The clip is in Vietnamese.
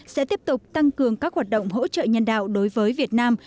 sẽ tiếp tục tăng cường các hoạt động hỗ trợ nhân đạo đối với việt nam